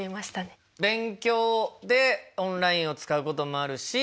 勉強でオンラインを使うこともあるし